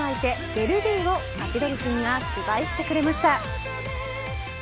ベルギーをサキドリくんが取材してくれました。